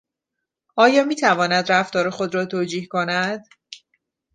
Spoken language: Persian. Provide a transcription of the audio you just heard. آیا میتواند رفتار خود را توجیه کند؟